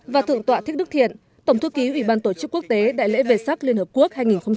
và thượng tọa thích đức thiện tổng thư ký ủy ban tổ chức quốc tế đại lễ về sắc liên hợp quốc hai nghìn một mươi chín